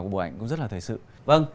cái bộ ảnh cũng rất là thời sự vâng